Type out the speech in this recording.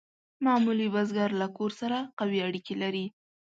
معمولي بزګر له کور سره قوي اړیکې لرلې.